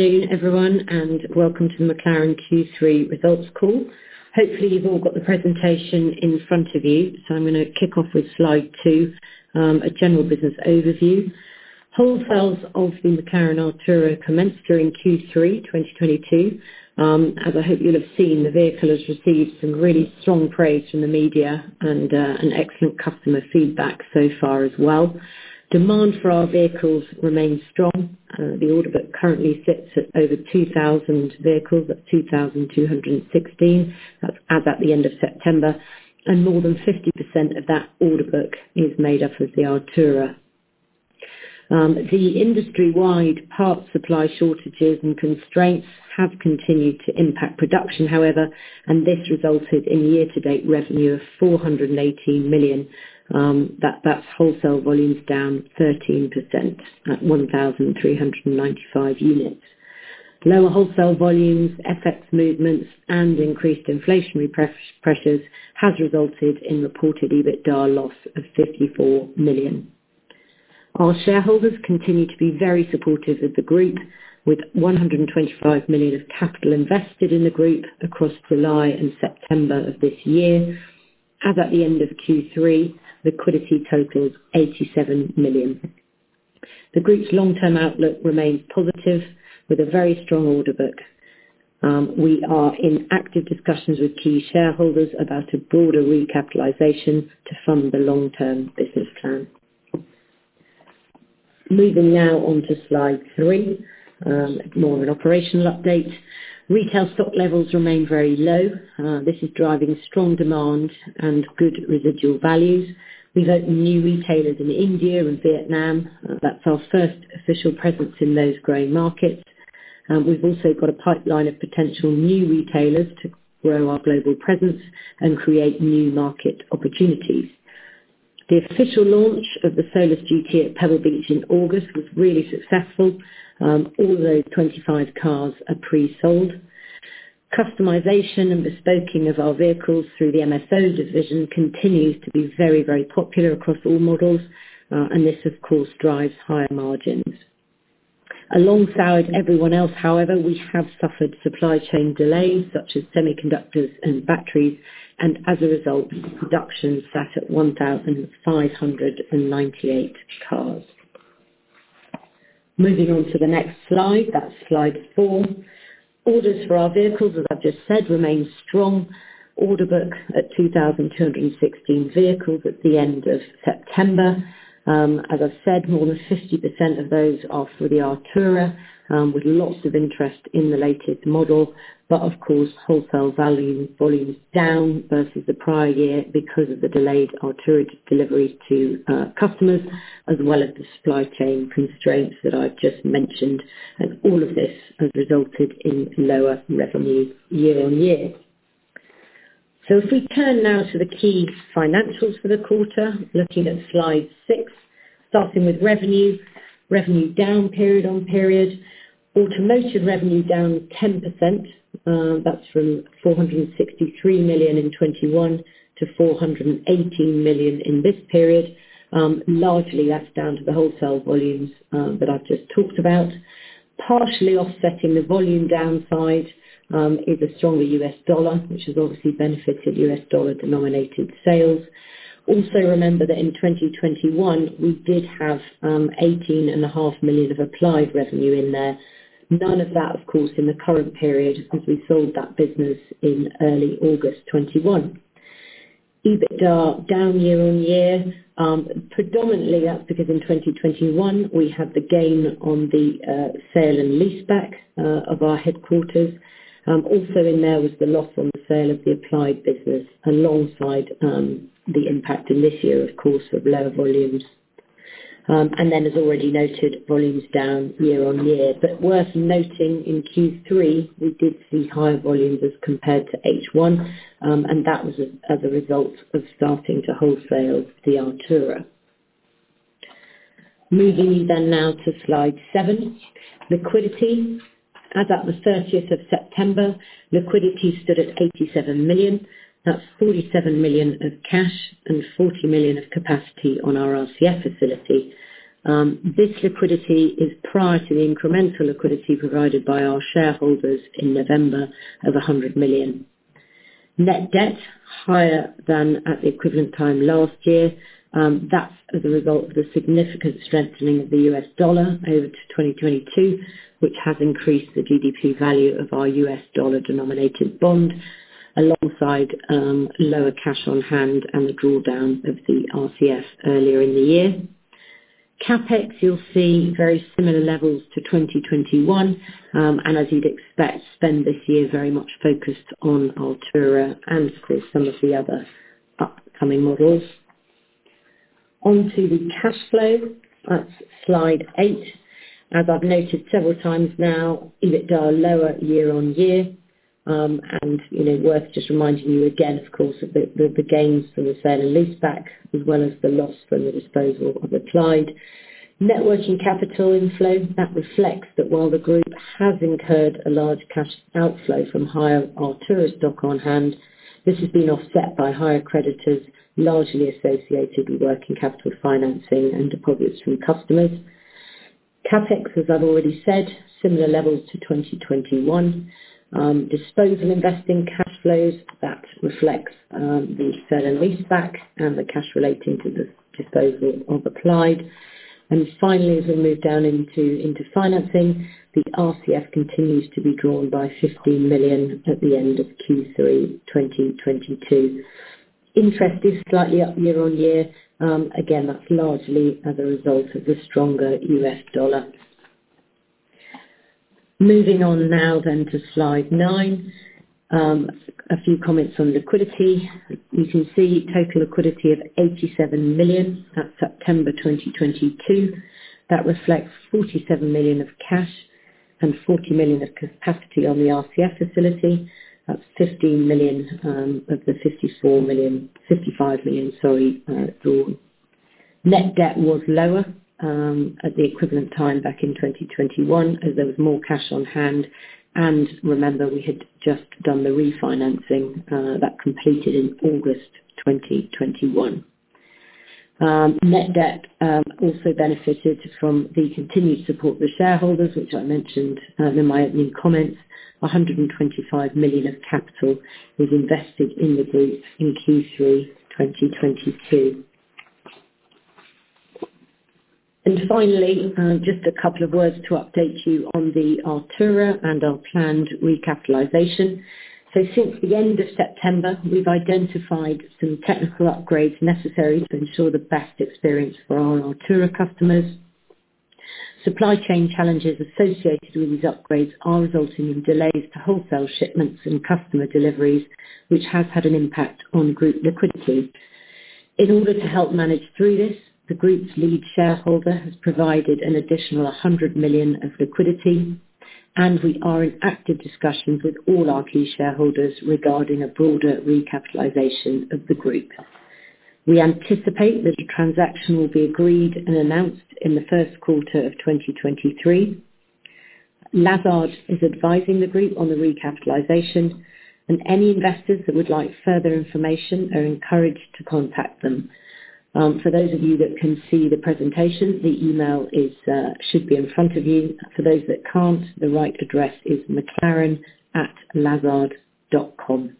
Good afternoon, everyone, and welcome to the McLaren Q3 Results Call. Hopefully, you've all got the presentation in front of you. I'm gonna kick off with slide two, a general business overview. Wholesale of the McLaren Artura commenced during Q3 2022. As I hope you'll have seen, the vehicle has received some really strong praise from the media and excellent customer feedback so far as well. Demand for our vehicles remains strong; the order currently sits at over 2,000 vehicles, at 2,216. That's at the end of September, and more than 50% of that order book is made up of the Artura. The industry-wide parts supply shortages and constraints have continued to impact production, however, and this resulted in year-to-date revenue of 418 million. That's wholesale volumes down 13% at 1,395 units. Lower wholesale volumes, FX movements, and increased inflationary pressures have resulted in reported EBITDA loss of 54 million. Our shareholders continue to be very supportive of the group, with 125 million of capital invested in the group across July and September of this year. As of the end of Q3, liquidity totals 87 million. The group's long-term outlook remains positive with a very strong order book. We are in active discussions with key shareholders about a broader recapitalization to fund the long-term business plan. Moving now on to slide three. More of an operational update. Retail stock levels remain very low. This is driving strong demand and good residual values. We've opened new retailers in India and Vietnam. That's our first official presence in those growing markets. We've also got a pipeline of potential new retailers to grow our global presence and create new market opportunities. The official launch of the Solus GT at Pebble Beach in August was really successful. All those 25 cars are pre-sold. Customization and bespoking of our vehicles through the MSO division continues to be very, very popular across all models. This, of course, drives higher margins. Alongside everyone else, however, we have suffered supply chain delays such as semiconductors and batteries, and as a result, production sat at 1,598 cars. Moving on to the next slide. That's slide four. Orders for our vehicles, as I've just said, remain strong. Order book at 2,216 vehicles at the end of September. As I've said, more than 50% of those are for the Artura, with lots of interest in the latest model. Of course, wholesale volumes are down versus the prior year because of the delayed Artura deliveries to customers, as well as the supply chain constraints that I've just mentioned, and all of this has resulted in lower revenue year-over-year. If we turn now to the key financials for the quarter, looking at slide six, starting with revenue. Revenue is down period on period. Automotive revenue down 10%. That's from 463 million in 2021 to 418 million in this period. Largely, that's down to the wholesale volumes that I've just talked about. Partially offsetting the volume downside is a stronger U.S. dollar, which has obviously benefited U.S. dollar-denominated sales. Also, remember that in 2021, we did have 18.5 million of Applied revenue there. None of that, of course, in the current period, because we sold that business in early August 2021. EBITDA is down year-over-year. Predominantly, that's because in 2021, we had a gain on the sale and leaseback of our headquarters. Also, there was the loss on the sale of the Applied business alongside the impact in this year, of course, of lower volumes. As already noted, volumes are down year-over-year. Worth noting in Q3, we did see higher volumes as compared to H1, and that was as a result of starting to wholesale the Artura. Moving now to slide seven, liquidity. As of the 30th of September, liquidity stood at 87 million. That's 47 million of cash and 40 million of capacity on our RCF facility. This liquidity is prior to the incremental liquidity provided by our shareholders in November of 100 million. Net debt higher than at the equivalent time last year. That's as a result of the significant strengthening of the U.S. dollar over 2022, which has increased the GBP value of our U.S. dollar-denominated bond, alongside lower cash on hand and the drawdown of the RCF earlier in the year. CapEx, you'll see very similar levels to 2021, and as you'd expect, spend this year very much focused on Artura and, of course, some of the other upcoming models. On to the cash flow. That's slide eight. As I've noted several times now, EBITDA is lower year-on-year. Worth just reminding you again of the gains from the sale and leaseback, as well as the loss from the disposal of Applied. Net working capital inflow, which reflects that while the group has incurred a large cash outflow from higher Artura stock on hand. This has been offset by higher creditors, largely associated with working capital financing and deposits from customers. CapEx, as I've already said, is at similar levels to 2021. Disposal investing cash flows, that reflects the sale and leaseback and the cash relating to the disposal of Applied. Finally, as we move down into financing, the RCF continues to be drawn by 15 million at the end of Q3 2022. Interest is slightly up year-on-year. Again, that's largely as a result of the stronger U.S. dollar. Moving on now to slide nine. A few comments on liquidity. You can see the total liquidity of 87 million. That's September 2022. That reflects 47 million of cash and 40 million of capacity on the RCF facility. That's 15 million of the 55 million drawn. Net debt was lower at the equivalent time back in 2021, as there was more cash on hand. Remember, we had just done the refinancing that was completed in August 2021. Net debt also benefited from the continued support of the shareholders, which I mentioned in my opening comments. 125 million of capital was invested in the group in Q3 2022. Finally, just a couple of words to update you on Artura and our planned recapitalization. Since the end of September, we've identified some technical upgrades necessary to ensure the best experience for our Artura customers. Supply chain challenges associated with these upgrades are resulting in delays to wholesale shipments and customer deliveries, which have had an impact on group liquidity. In order to help manage through this, the group's lead shareholder has provided an additional 100 million of liquidity, and we are in active discussions with all our key shareholders regarding a broader recapitalization of the group. We anticipate that the transaction will be agreed and announced in the first quarter of 2023. Lazard is advising the group on the recapitalization, and any investors who would like further information are encouraged to contact them. For those of you who can see the presentation, the email should be in front of you. For those who can't, the right address is mclaren@lazard.com.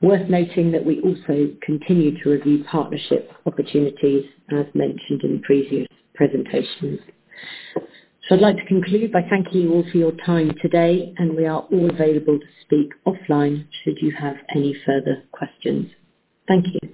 Worth noting that we also continue to review partnership opportunities, as mentioned in previous presentations. I'd like to conclude by thanking you all for your time today, and we are all available to speak offline should you have any further questions. Thank you.